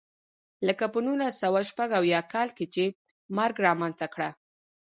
لکه په نولس سوه شپږ اویا کال کې چې مرګ رامنځته کړه.